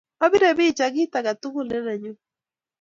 Apire bicha kit ake tugul ne nennyu.